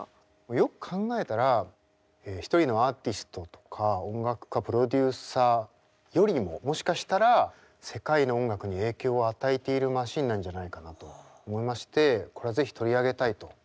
よく考えたら一人のアーティストとか音楽家プロデューサーよりももしかしたら世界の音楽に影響を与えているマシンなんじゃないかなと思いましてこれは是非取り上げたいと思いました。